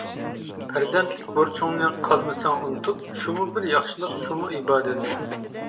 پەرزەنتلىك بۇرچۇڭنى قالمىساڭ ئۇنتۇپ، شۇمۇ بىر ياخشىلىق شۇمۇ ئىبادەت.